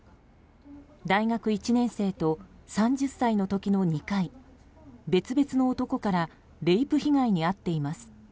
大学１年生の時と３０歳の時の２回別々の男からレイプ被害に遭っています。